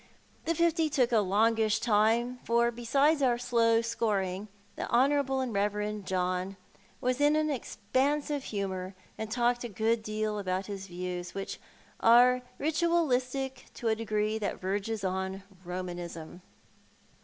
The fifty took a longish time, for besides our slow scoring, the honourable and reverend John was in an expansive humour, and talked a good deal of his views, which are ritualistic to a degree that verges upon Eomanism.